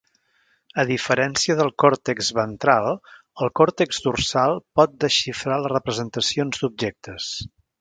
A diferència del còrtex ventral, el còrtex dorsal pot desxifrar les representacions d'objectes.